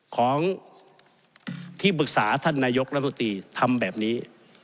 ของที่ปรึกษาท่านนายกรัฐมนตรีทำแบบนี้